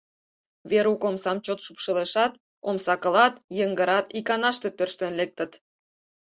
Верук омсам чот шупшылешат, омса кылат, йыҥгырат иканаште тӧрштен лектыт.